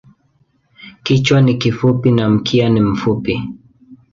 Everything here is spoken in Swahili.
Kichwa ni kifupi na mkia ni mfupi.